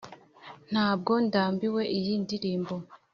ntabwo ndambiwe iyi ndirimbo.